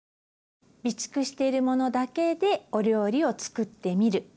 備蓄しているものだけでお料理を作ってみる。